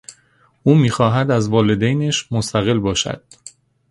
او میخواهد از والدینش مستقل باشد.